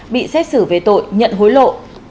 bị xét xử về tội nhận hối lộ